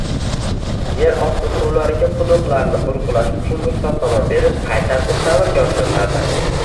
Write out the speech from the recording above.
Yer osti suvlariga quduqlarni burg‘ilash uchun ruxsatnoma berish qay tartibda amalga oshiriladi?